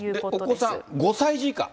お子さん、５歳児以下？